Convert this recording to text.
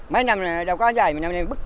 mấy năm này đâu có dậy